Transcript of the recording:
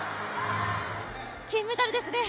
金メダルですね。